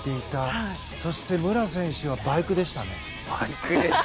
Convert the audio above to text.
そして、武良選手はバイクでしたね。